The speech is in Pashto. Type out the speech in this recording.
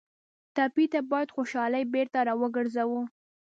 ټپي ته باید خوشالي بېرته راوګرځوو.